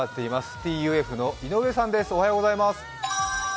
ＴＵＦの井上さんです。